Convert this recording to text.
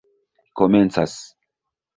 komencas